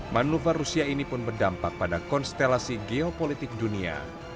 manuver rusia ini pun berdampak pada konstelasi geopolitik dunia